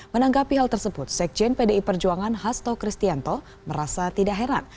menanggapi hal tersebut sekjen pdi perjuangan hasto kristianto merasa tidak heran